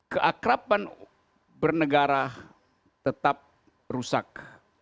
keakraban bernegara tetap rusak